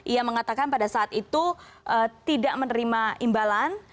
ia mengatakan pada saat itu tidak menerima imbalan